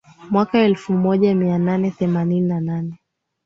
mwaka elfu moja mia nane themanini na nane